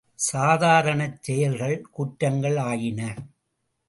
சாதாரணச் செயல்கள் குற்றங்கள் ஆயின.